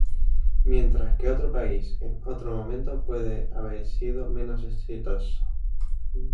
Mientras que otro país en otro momento puede haber sido menos exitoso.